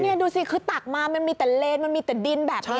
นี่ดูสิคือตักมามันมีแต่เลนมันมีแต่ดินแบบนี้